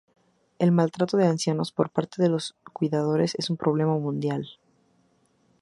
El maltrato de ancianos por parte de los cuidadores es un problema mundial.